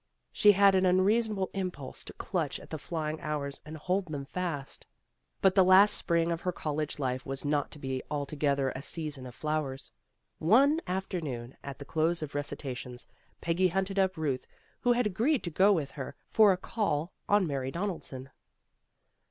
She had an unreasonable impulse to clutch at the flying hours and hold them fast. But the last spring of her college life was not to be altogether a season of flowers. One afternoon at the close of recitations, Peggy hunted up Ruth who had agreed to go with her for a call on Mary Donaldson.